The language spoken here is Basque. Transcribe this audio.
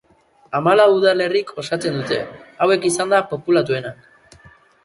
Hamalau udalerrik osatzen dute, hauek izanda populatuenak.